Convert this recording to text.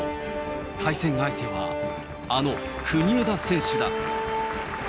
対戦相手はあの国枝選手だ。